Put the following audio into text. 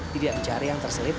tidak mencari yang terselit